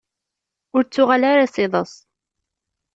Ur ttuɣal ara s iḍes.